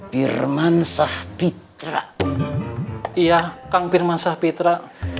birmansah pitra iya kang birmansah pitra